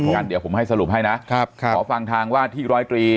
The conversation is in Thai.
งั้นเดี๋ยวผมให้สรุปให้นะครับขอฟังทางว่าที่ร้อยตรี